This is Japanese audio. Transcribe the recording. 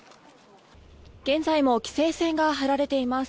現在も規制線が張られています。